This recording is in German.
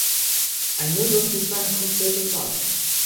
Ein Nullsatz ist eine konkrete Zahl.